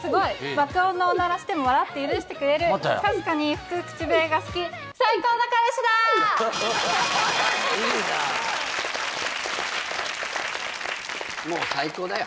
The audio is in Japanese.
爆音のオナラしても笑って許してくれるかすかに吹く口笛が好きいいなもう最高だよ